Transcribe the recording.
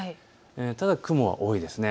ただ雲は多いです。